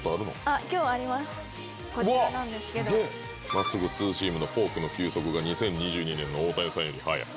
「真っすぐツーシームフォークの球速が２０２２年の大谷さんより速い」。